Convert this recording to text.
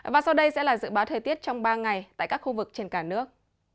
và sau đây sẽ là dự báo thời tiết trong ba ngày tại các khu vực trên cả nước